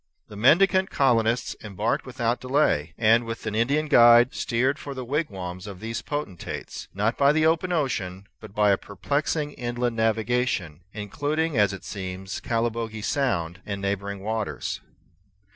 The mendicant colonists embarked without delay, and, with an Indian guide, steered for the wigwams of these potentates, not by the open sea, but by a perplexing inland navigation, including, as it seems, Calibogue Sound and neighboring waters.